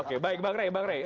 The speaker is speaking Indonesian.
oke baik bang rey